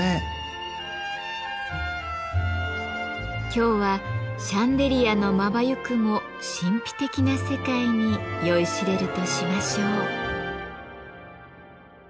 今日はシャンデリアのまばゆくも神秘的な世界に酔いしれるとしましょう。